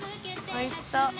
おいしそう。